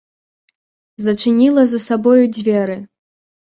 Зачыніла за сабою дзверы.